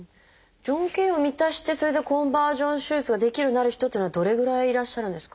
条件を満たしてそれでコンバージョン手術ができるようになる人っていうのはどれぐらいいらっしゃるんですか？